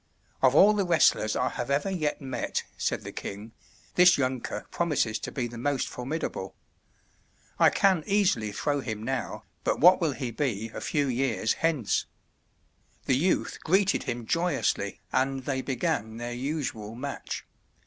"Of all the wrestlers I have ever yet met," said the king, "this younker promises to be the most formidable. I can easily throw him now, but what will he be a few years hence?" The youth greeted him joyously, and they began their usual match.